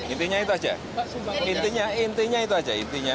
intinya itu aja intinya itu aja